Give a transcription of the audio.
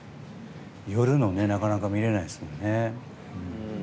夜のなかなか見られないですよね。